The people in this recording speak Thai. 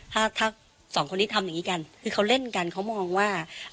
ถ้าถ้าสองคนนี้ทำอย่างนี้กันคือเขาเล่นกันเขามองว่า